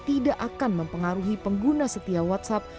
tidak akan mempengaruhi pengguna setia whatsapp